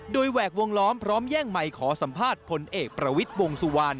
โดยแหวกวงล้อมพร้อมแย่งไมค์ขอสัมภาษณ์พลเอกประวิทย์วงสุวรรณ